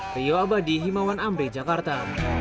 rio abadi himawan amri jakarta